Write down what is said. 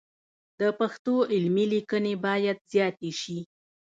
د پښتو علمي لیکنې باید زیاتې سي.